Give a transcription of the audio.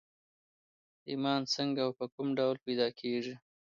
ايمان څنګه او په کوم ډول پيدا کېږي؟